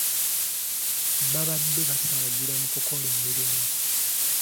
Babadde basaagira mu kukola emirimu.